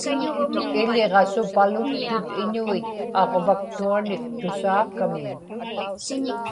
iḷiġasupaluktut iñuit aġvaktuanik tusaakamiŋ